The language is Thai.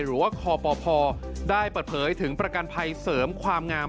หรือว่าคปพได้เปิดเผยถึงประกันภัยเสริมความงาม